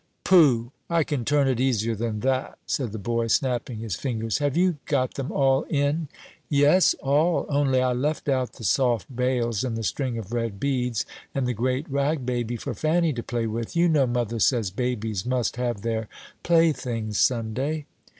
"Poh! I can turn it easier than that," said the boy, snapping his fingers; "have you got them all in?" "Yes, all; only I left out the soft bales, and the string of red beads, and the great rag baby for Fanny to play with you know mother says babies must have their playthings Sunday."